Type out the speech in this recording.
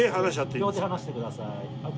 両手離してください。